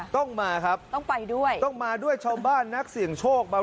ต้องมาครับต้องมาด้วยชาวบ้านนักเสียงโชคต้องไปด้วย